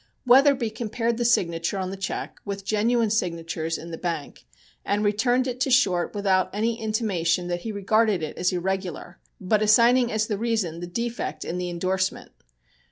Wetherbee compared the signature on the check with genuine signatures in the bank, and returned it to Short without any intimation that he regarded it as irregular, but assigning as the reason the defect in the indorsement.